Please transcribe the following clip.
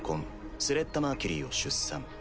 スレッタ・マーキュリーを出産。